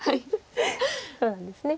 そうなんですね。